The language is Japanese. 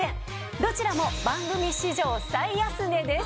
どちらも番組史上最安値です。